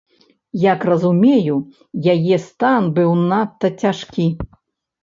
Як разумею, яе стан быў надта цяжкі.